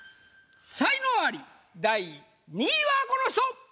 才能アリ第２位はこの人！